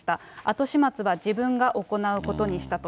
後始末は自分が行うことにしたと。